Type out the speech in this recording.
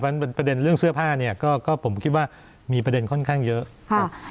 เพราะฉะนั้นประเด็นเรื่องเสื้อผ้าเนี่ยก็ผมคิดว่ามีประเด็นค่อนข้างเยอะครับ